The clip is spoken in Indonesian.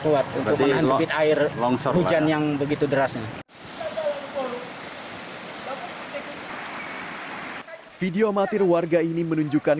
kuat untuk menahan debit air hujan yang begitu derasnya video amatir warga ini menunjukkan